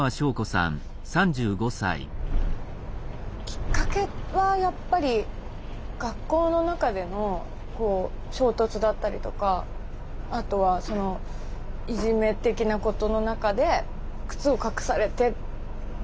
きっかけはやっぱり学校の中での衝突だったりとかあとはいじめ的なことの中で靴を隠されて。